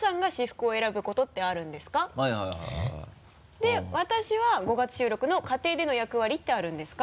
で私は５月収録の「家庭での役割ってあるんですか？」